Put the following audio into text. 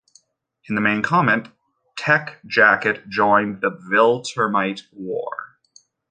In the main comic, Tech-Jacket joined the Viltrumite war.